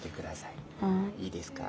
いいですか？